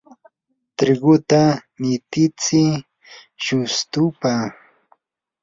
triguta nititsi llustupa.